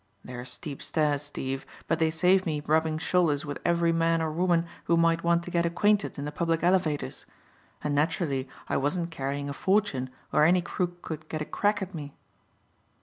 They are steep stairs, Steve, but they save me rubbing shoulders with every man or woman who might want to get acquainted in the public elevators; and, naturally, I wasn't carrying a fortune where any crook could get a crack at me.